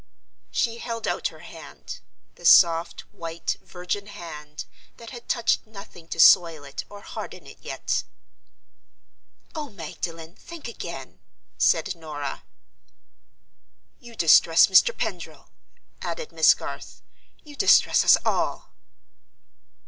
She held out her hand—the soft, white, virgin hand that had touched nothing to soil it or harden it yet. "Oh, Magdalen, think again!" said Norah. "You distress Mr. Pendril," added Miss Garth; "you distress us all."